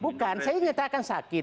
bukan saya menyatakan sakit